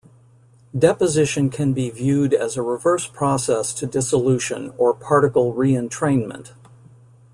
Deposition can be viewed as a reverse process to dissolution or particle re-entrainment.